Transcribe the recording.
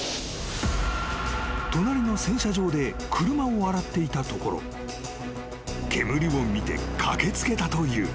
［隣の洗車場で車を洗っていたところ煙を見て駆け付けたという］